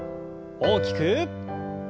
大きく。